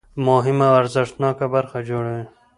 مهمه او ارزښتناکه برخه جوړوي.